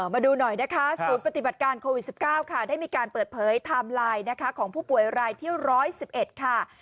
มาดูหน่อยนะคะศูนย์ปฏิบัติการโควิด๑๙ค่ะได้มีการเปิดเผยไทม์ไลน์นะคะของผู้ป่วยรายที่๑๑๑ค่ะ